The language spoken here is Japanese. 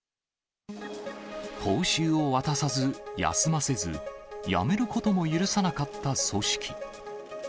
報酬を渡さず、休ませず、やめることも許さなかった組織。